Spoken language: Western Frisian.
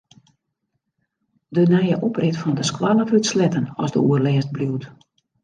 De nije oprit fan de skoalle wurdt sletten as de oerlêst bliuwt.